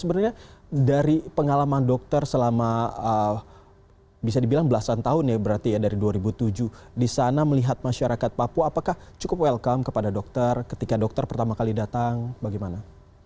sebenarnya dari pengalaman dokter selama bisa dibilang belasan tahun ya berarti ya dari dua ribu tujuh di sana melihat masyarakat papua apakah cukup welcome kepada dokter ketika dokter pertama kali datang bagaimana